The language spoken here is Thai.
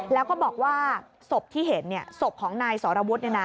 แล้วก็บอกว่าศพที่เห็นศพของนายสรวุฒิ